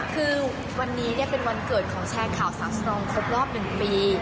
คือวันนี้เป็นวันเกิดของแชร์ข่าวสาวสตรองครบรอบ๑ปี